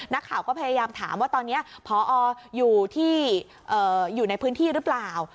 นักข่าวก็พยายามถามว่าตอนนี้พออยู่ที่อยู่ในพื้นที่หรือเปล่า